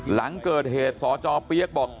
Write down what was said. หลังเกิดเหตุสจเปี๊ยกบอก